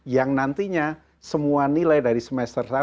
yang nantinya semua nilai dari semester satu